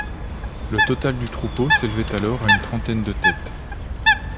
Le total du troupeau s’élevait alors à une trentaine de têtes.